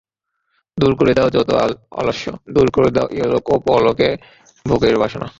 দূর করে দাও যত আলস্য, দূর করে দাও ইহলোক ও পরলোকে ভোগের বাসনা।